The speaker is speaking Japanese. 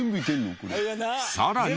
さらに。